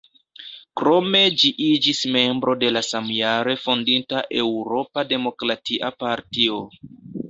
Krome ĝi iĝis membro de la samjare fondita Eŭropa Demokratia Partio.